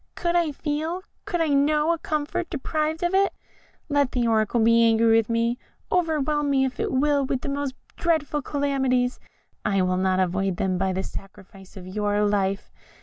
Could I feel, could I know, a comfort, deprived of it? Let the Oracle be angry with me, overwhelm me if it will with the most dreadful calamities, I will not avoid them by the sacrifice of your life.